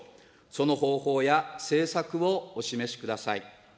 その方法や政策をお示しください。